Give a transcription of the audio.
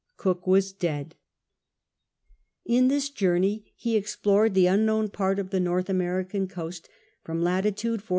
Cook was dead. Ill this journey he explored the unknown part of the North Anierieau coast fi oiu lat.